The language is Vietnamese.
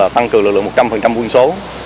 tăng cường lực lượng một trăm linh quân số